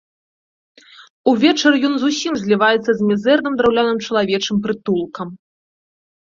Увечары ён зусім зліваецца з мізэрным драўляным чалавечым прытулкам.